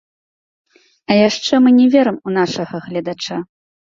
А яшчэ мы не верым у нашага гледача.